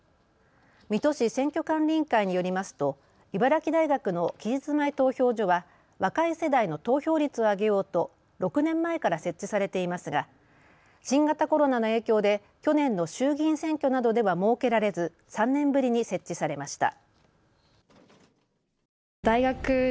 水戸市選挙管理委員会によりますと茨城大学の期日前投票所は若い世代の投票率を上げようと６年前から設置されていますが新型コロナの影響で去年の衆議院選挙などでは設けられず３年ぶりに設置されました。